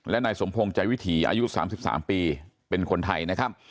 และนายสมพงศ์ใจวิถีอายุ๓๓ปีเป็นคนไทยนะครับ